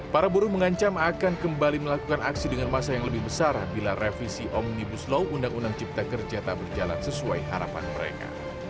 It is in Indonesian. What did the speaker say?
para buruh mengancam akan kembali melakukan aksi dengan masa yang lebih besar bila revisi omnibus law undang undang cipta kerja tak berjalan sesuai harapan mereka